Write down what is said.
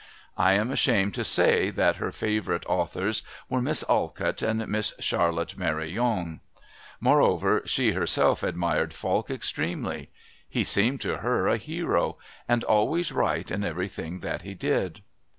I am ashamed to say that her favourite authors were Miss Alcott and Miss Charlotte Mary Yonge. Moreover, she herself admired Falk extremely. He seemed to her a hero and always right in everything that he did.